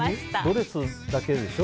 ドレスだけでしょ？